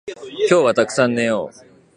今日はたくさん寝よう